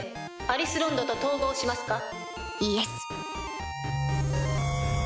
アリス・ロンドと統合しますか？